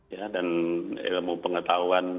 ya dan ilmu pengetahuan